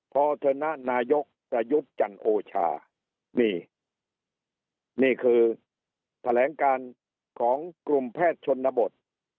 พอเถอะนะนายกประยุทธ์จันโอชานี่นี่คือแถลงการของกลุ่มแพทย์ชนบท